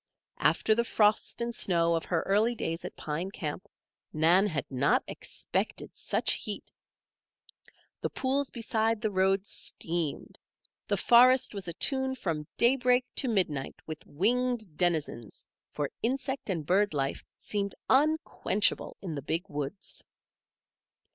After the frost and snow of her early days at Pine Camp, Nan had not expected such heat. The pools beside the road steamed. The forest was atune from daybreak to midnight with winged denizens, for insect and bird life seemed unquenchable in the Big Woods.